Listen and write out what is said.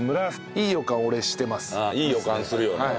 いい予感するよね。